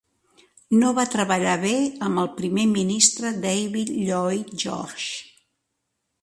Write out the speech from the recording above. No va treballar bé amb el Primer Ministre David Lloyd George.